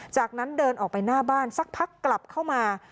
จากนั้นเดินออกไปหน้าบ้านสักพักกลับเข้ามา